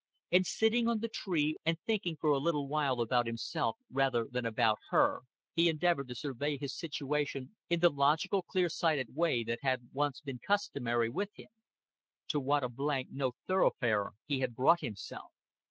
And sitting on the tree, and thinking for a little while about himself rather than about her, he endeavored to survey his situation in the logical clear sighted way that had once been customary with him. To what a blank no thoroughfare he had brought himself.